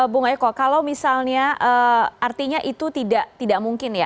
bu ngai kho kalau misalnya artinya itu tidak mungkin ya